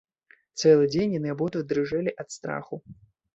Цэлы дзень яны абодва дрыжэлі ад страху.